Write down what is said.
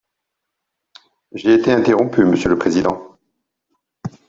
J’ai été interrompu, monsieur le président.